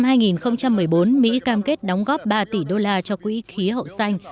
các nước giàu cam kết đóng góp ba tỷ usd cho quỹ khí hậu xanh